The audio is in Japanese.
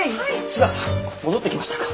津川さん戻ってきましたか。